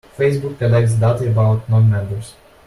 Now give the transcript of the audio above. Facebook collects data about non-members.